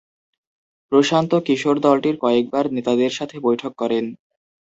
প্রশান্ত কিশোর দলটির কয়েকবার নেতাদের সাথে বৈঠক করেন।